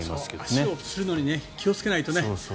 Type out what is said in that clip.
足をつるのに気をつけないとね。